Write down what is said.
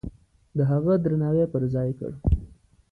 د هغه درناوی پرځای کړ.